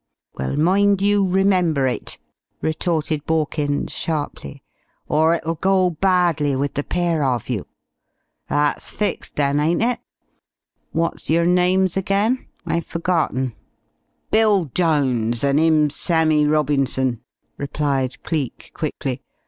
"Well, mind you remember it!" retorted Borkins sharply. "Or it'll go badly with the pair of you. That's fixed, then, ain't it? What's yer names again? I've forgotten." "Bill Jones, an' 'im's Sammie Robinson," replied Cleek quickly.